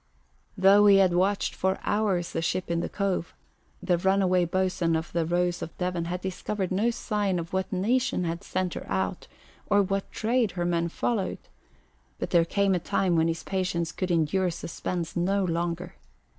Though he had watched for hours the ship in the cove, the runaway boatswain of the Rose of Devon had discovered no sign of what nation had sent her out or what trade her men followed; but there came a time when his patience could endure suspense no longer.